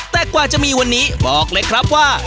แต่กว่าจะมีวันนี้บอกเลยครับว่า